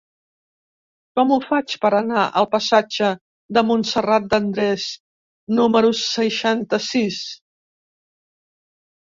Com ho faig per anar al passatge de Montserrat de Andrés número seixanta-sis?